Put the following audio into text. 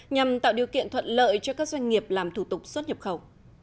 nhằm tạo điều kiện thuận lợi cho các doanh nghiệp làm thủ tục xuất nhập khẩu